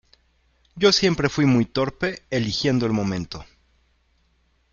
yo siempre fui muy torpe eligiendo el momento.